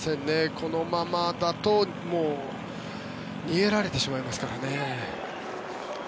このままだと逃げられてしまいますからね。